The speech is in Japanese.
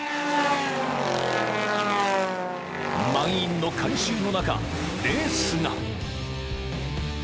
［満員の観衆の中レースが］